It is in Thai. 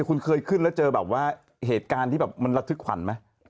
คุณเคยขึ้นแล้วเจอเหตุการณ์ที่มันระทึกขวัญไหม